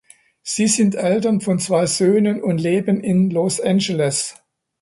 Sie sind Eltern von zwei Söhnen und leben in Los Angeles.